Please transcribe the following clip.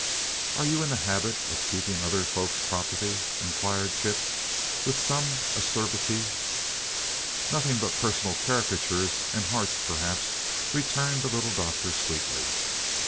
"Are you in the habit of keeping other folk's property?" inquired Chip, with some acerbity. "Nothing but personal caricatures and hearts, perhaps," returned the Little Doctor, sweetly.